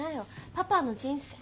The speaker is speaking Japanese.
パパの人生